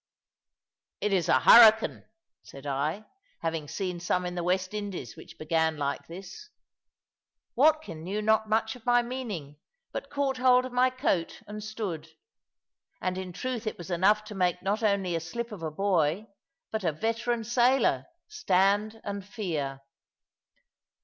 "It is a hurricane," said I, having seen some in the West Indies which began like this. Watkin knew not much of my meaning, but caught hold of my coat, and stood. And in truth it was enough to make not only a slip of a boy, but a veteran sailor, stand and fear.